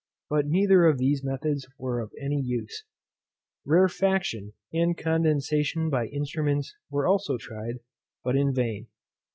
But neither of these methods were of any use. Rarefaction and condensation by instruments were also tried, but in vain.